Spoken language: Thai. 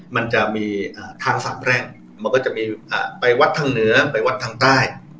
มันจะมีทางสามแพร่งมันก็จะมีไปวัดทางเหนือไปวัดทางใต้